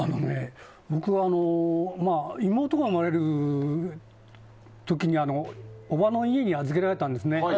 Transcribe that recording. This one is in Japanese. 僕は妹が生まれる時におばの家に預けられたんですね。